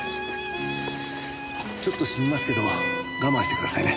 ちょっと染みますけど我慢してくださいね。